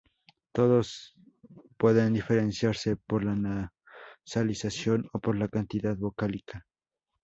Todas pueden diferenciarse por la nasalización o por la cantidad vocálica.